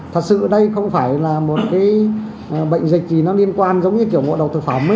thật sự đây không phải là một bệnh dịch liên quan giống như kiểu mộ đầu thực phẩm